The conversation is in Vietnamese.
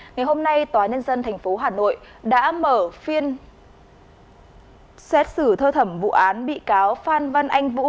ngày hôm nay tòa nhân dân tp hà nội đã mở phiên xét xử thơ thẩm vụ án bị cáo phan văn anh vũ